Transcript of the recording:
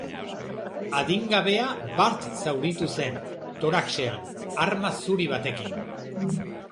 Adingabea bart zauritu zen, toraxean, arma zuri batekin.